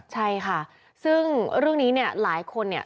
ใช่ค่ะซึ่งเรื่องนี้เนี่ยหลายคนเนี่ย